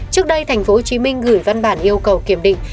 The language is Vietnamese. trước đây tp hcm gửi văn bản yêu cầu kiểm định